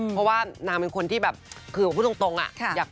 เพราะว่านางเป็นคนที่แบบคือผมพูดตรงอะอยากปิดทองหลังภาพ